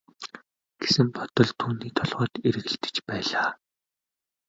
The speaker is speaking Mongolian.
гэсэн бодол түүний толгойд эргэлдэж байлаа.